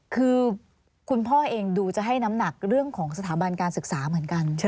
คือคุณพ่อเองดูจะให้น้ำหนักเรื่องของสถาบันการศึกษาเหมือนกัน